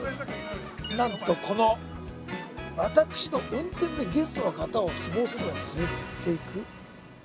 なんと、この私の運転でゲストの方を希望することに連れていく。